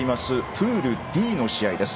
プールＤの試合です。